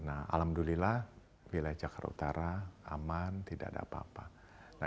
alhamdulillah wilayah jakarta utara aman tidak ada apa apa